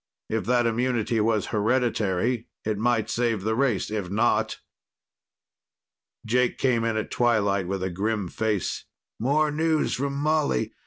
If that immunity was hereditary, it might save the race. If not.... Jake came in at twilight with a grim face. "More news from Molly.